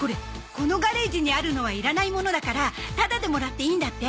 このガレージにあるのはいらないものだからタダでもらっていいんだって